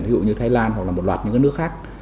ví dụ như thái lan hoặc là một loạt những nước khác